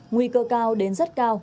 nguy cơ cao đến rất cao